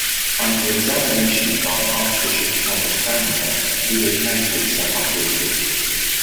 Under examination by Archbishop Thomas Cranmer he recanted some utterances.